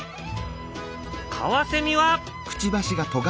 カワセミは。